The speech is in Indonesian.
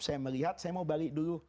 saya melihat saya mau balik dulu